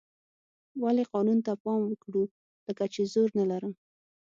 ولې قانون ته پام وکړو لکه چې زور نه لرم.